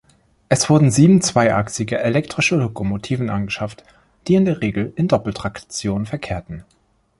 Es wurden sieben zweiachsige elektrische Lokomotiven angeschafft, die in der Regel in Doppeltraktion verkehrten.